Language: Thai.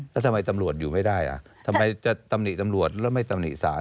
แล้วทำไมตำรวจอยู่ไม่ได้อ่ะทำไมจะตำหนิตำรวจแล้วไม่ตำหนิสาร